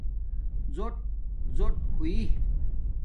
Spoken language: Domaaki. زݸٹ زݸٹ ہوئ